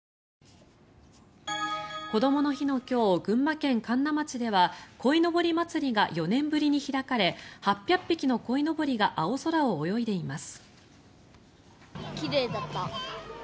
こどもの日の今日群馬県神流町では鯉のぼり祭りが４年ぶりに開かれ８００匹のこいのぼりが青空を泳いでいます。